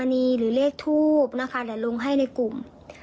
เดี๋ยวลงให้ในกลุ่ม